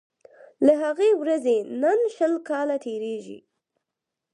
له هغې ورځي نن شل کاله تیریږي